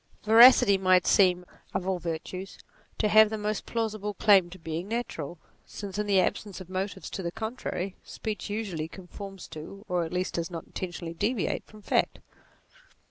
Veracity might seem, of all virtues, to have the most plausible claim to being natural, since in the ab sence of motives to the contrary, speech usually con forms to, or at least does not intentionally deviate from, fact.